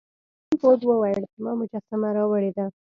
سنډفورډ وویل چې ما مجسمه راوړې ده.